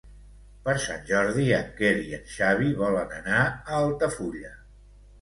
Per Sant Jordi en Quer i en Xavi volen anar a Altafulla.